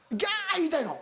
言いたいの？